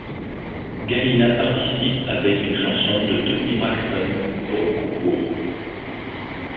Galina participe avec une chanson de Toni Braxton pour le concours.